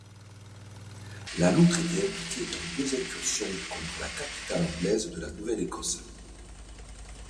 Le Loutre était impliqué dans deux incursions contre la capitale anglaise de la Nouvelle-Écosse.